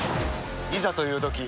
いざというとき